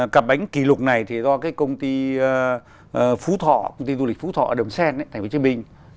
cặp bánh kỷ lục này thì do cái công ty phú thọ công ty du lịch phú thọ ở đồng xen thành phố hồ chí minh